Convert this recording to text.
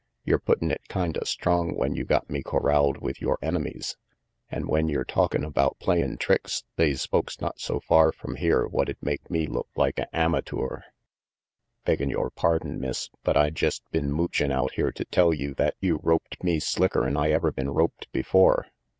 Yer puttin' it kinda strong when you got me corralled with yore enemies, an' when yer talkin' about playin' tricks, they's folks not so far from here what'd make me look like a amatoor. Beggin' yore pardon, Miss, but I jest been moochin' out here to tell you that you roped me slicker'n I ever been roped before.